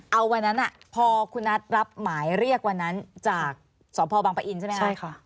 เอาวันนั้นพอคุณนัทรับหมายเรียกวันนั้นจากสพบังปะอินใช่ไหมครับใช่ค่ะ